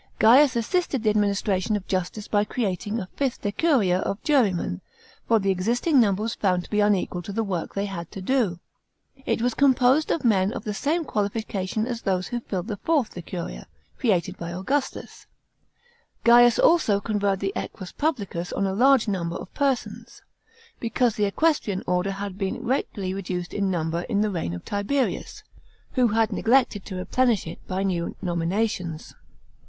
Gaius assisted the administration of justice by creating a fifth decuria of jurymen, for the existing number was found to be unequal to the work they had to do. It was composed of men of the same qualification as those who filled the fourth decuria, created by Augustus (see above, Chap. III. §§ 7, 8). Gaius also conferred the equus publicus on a large number of persons, because the equestrian order had been greatly reduced in number in the reign of Tiberius, who had neglected to replenish it by new nominations.